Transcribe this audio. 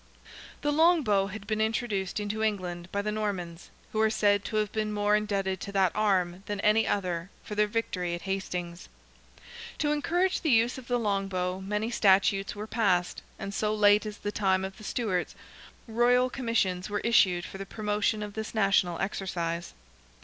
The long bow had been introduced into England by the Normans, who are said to have been more indebted to that arm than any other, for their victory at Hastings. To encourage the use of the long bow many statutes were passed, and so late as the time of the Stuarts, royal commissions were issued for the promotion of this national exercise.